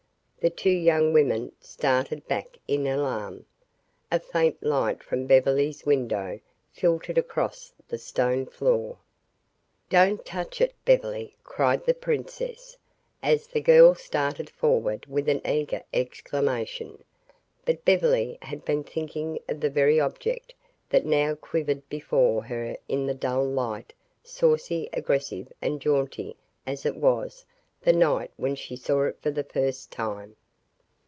The two young women started back in alarm. A faint light from Beverly's window filtered across the stone floor. "Don't touch it, Beverly," cried the princess, as the girl started forward with an eager exclamation. But Beverly had been thinking of the very object that now quivered before her in the dull light, saucy, aggressive and jaunty as it was the night when she saw it for the first time.